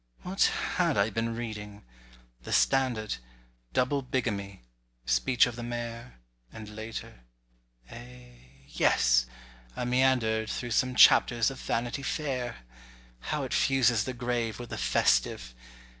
What had I been reading? The Standard: "Double Bigamy;" "Speech of the Mayor." And later—eh? yes! I meandered Through some chapters of Vanity Fair. How it fuses the grave with the festive!